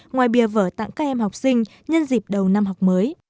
ngoài bia vở tặng các em học sinh nhân dịp đầu năm học mới